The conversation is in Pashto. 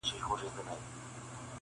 پر دې ستړو رباتونو کاروانونه به ورکیږي -